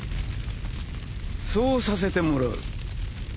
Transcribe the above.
そうさせてもらう。